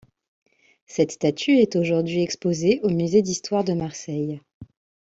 Cette statue est aujourd'hui exposée au Musée d'histoire de Marseille.